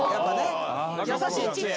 優しいチッチ。